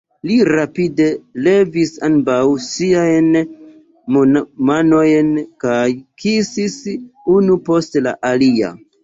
Li rapide levis ambaŭ ŝiajn manojn kaj kisis unu post la alia.